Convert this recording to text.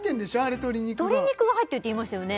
鶏肉が鶏肉が入ってるっていいましたよね